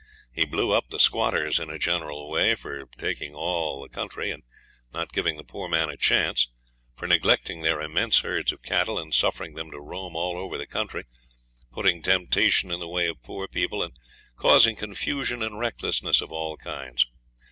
He blew up the squatters in a general way for taking all the country, and not giving the poor man a chance for neglecting their immense herds of cattle and suffering them to roam all over the country, putting temptation in the way of poor people, and causing confusion and recklessness of all kinds.